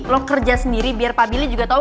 lo kerja sendiri biar pak billy juga tahu